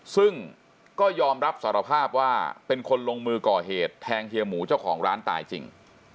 ซึ่งก็ยอมรับสารภาพว่าเป็นคนลงมือก่อเหตุแทงเฮียหมูเจ้าของร้านตายจริง